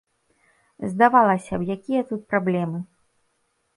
Здавалася б, якія тут праблемы?